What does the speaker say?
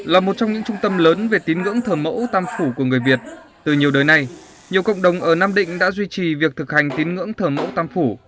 là một trong những trung tâm lớn về tín ngưỡng thờ mẫu tam phủ của người việt từ nhiều đời này nhiều cộng đồng ở nam định đã duy trì việc thực hành tín ngưỡng thờ mẫu tam phủ